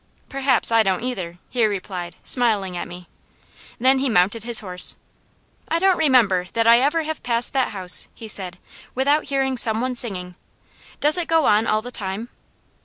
"Perhaps I don't either," he replied, smiling at me. Then he mounted his horse. "I don't remember that I ever have passed that house," he said, "without hearing some one singing. Does it go on all the time?"